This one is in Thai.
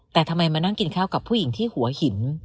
แต่ทำไมมานั่งกินข้าวกับผู้หญิงที่หัวหิน